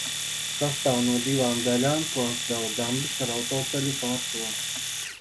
Sastāv no divām daļām, ko atdala dambis ar autoceļu pār to.